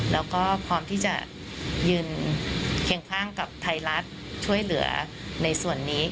แล้วก็พร้อมที่จะยืนเคียงข้างกับไทยรัฐช่วยเหลือในส่วนนี้